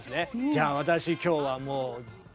じゃあ私今日はもうよっ！